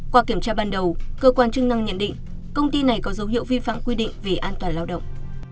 qua kiểm tra ban đầu cơ quan chức năng nhận định công ty này có dấu hiệu vi phạm quy định về an toàn lao động